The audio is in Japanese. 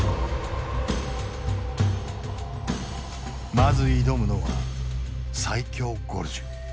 まず挑むのは最狭ゴルジュ。